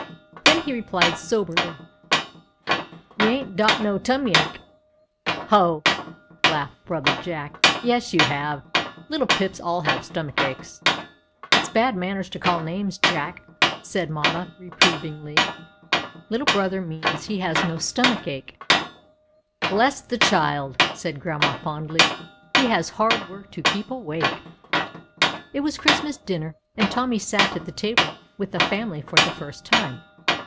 Then he replied soberly :" Me ain't dot no tummake." '' Ho !" laughed brother Jack. "Yes, you have. Little pigs all have stomachs." THE RED VELVET PIG. 283 bad manners to call names, Jack/' said mamma, reprovingly. Little brother means he has no stomach ache." Bless the child!" said grandma, fondly, he has hard work to keep awake." It was Christmas dinner, and Tommy sat at the table with the family for the first time.